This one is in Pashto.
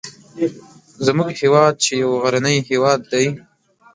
زموږ هیواد چې یو غرنی هیواد دی